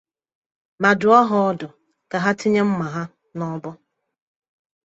ma dụọ ha ọdụ ka ha tinye mmà ha n'ọbọ